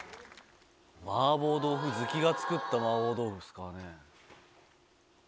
麻婆豆腐好きが作った麻婆豆腐ですからね。